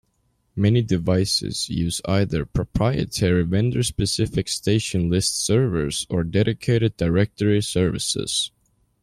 Many devices use either proprietary vendor-specific station list servers or dedicated directory services.